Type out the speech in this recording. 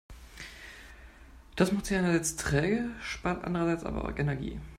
Das macht sie einerseits träge, spart andererseits aber Energie.